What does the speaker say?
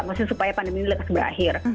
maksudnya supaya pandemi ini dapat berakhir